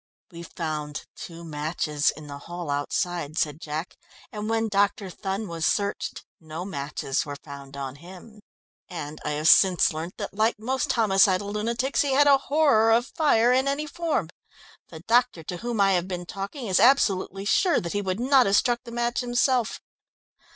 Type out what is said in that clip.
"We found two matches in the hall outside," said Jack, "and when Dr. Thun was searched no matches were found on him, and I have since learnt that, like most homicidal lunatics, he had a horror of fire in any form. The doctor to whom I have been talking is absolutely sure that he would not have struck the match himself.